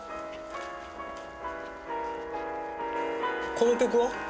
「」この曲は？